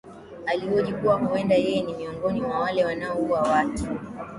Alihoji kuwa huwenda yeye ni miongoni mwa wale wanaoua watu